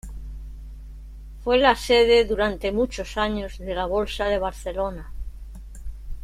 Fue la sede durante muchos años de la Bolsa de Barcelona.